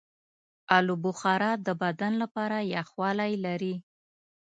آلوبخارا د بدن لپاره یخوالی لري.